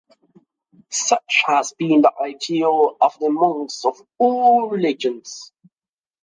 Such has been the ideal of the monks of all religions.